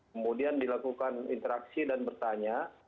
kemudian dilakukan interaksi dan bertanya